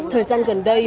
thời gian gần đây